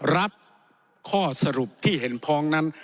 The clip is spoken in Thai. รับข้อสรุปที่เห็นพ้องนั้น